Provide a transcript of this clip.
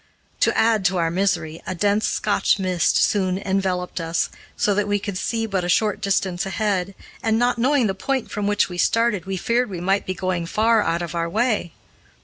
To add to our misery, a dense Scotch mist soon enveloped us, so that we could see but a short distance ahead, and not knowing the point from which we started, we feared we might be going far out of our way.